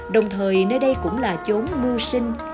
đồng thời nơi đây cũng là chốn mưu sinh